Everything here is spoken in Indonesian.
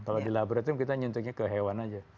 kalau di laboratorium kita nyuntiknya ke hewan aja